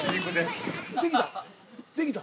できた？